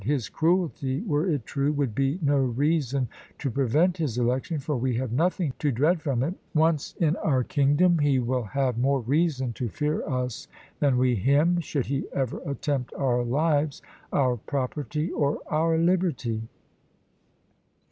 His cruelty, were it true, would be no reason to prevent his election, for we have nothing to dread from it: once in our kingdom, he will have more reason to fear us than we him, should he ever attempt our lives, our property, or our liberty."